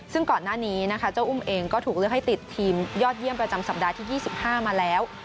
ซึ่งก่อนหน้านี้นะคะเจ้าอุ้มเองก็ถูกเลือกให้ติดทีมยอดเยี่ยมประจำสัปดาห์ที่๒๕มาแล้ว